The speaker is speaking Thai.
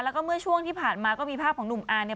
แล้วก็เมื่อช่วงที่ผ่านมาก็มีภาพของหนุ่มอาร์เนี่ย